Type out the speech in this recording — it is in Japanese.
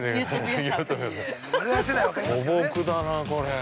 ◆素朴だな、これ。